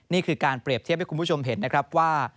นี่คือการเปรียบเทียบให้คุณผู้ชมเห็นนะครับว่า